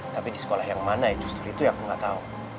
tapi di sekolah yang mana ya justru itu yang aku nggak tahu